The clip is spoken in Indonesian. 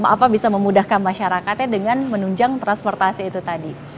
apa bisa memudahkan masyarakatnya dengan menunjang transportasi itu tadi